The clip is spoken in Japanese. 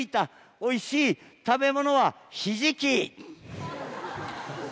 おいしい、食べ物はひじきー。